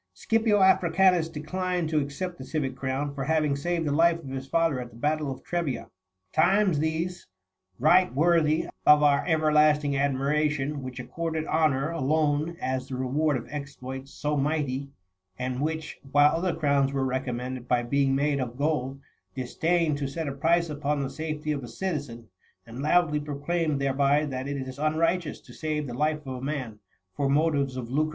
Scipio Africanus declined to accept the civic crown for having saved the life of his father at the battle of Trebia. Times these, right worthy of our everlasting admiration, which accorded honour alone as the reward of exploits so mighty, and which, while other crowns were recommended by being made of gold, disdained to set a price upon the safety of a citizen, and loudly proclaimed thereby that it is unrighteous to save the life of a man for motives of lucre.